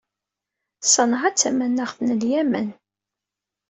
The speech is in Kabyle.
Ṣanɛa d tamanaɣt n Lyamen.